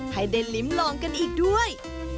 ให้ได้ลิ้มลองกันอีกด้วย